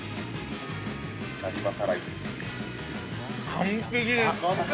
◆完璧です。